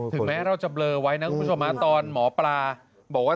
แม้เราจะเบลอไว้นะคุณผู้ชมตอนหมอปลาบอกว่า